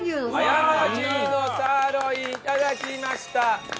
葉山牛のサーロインいただきました。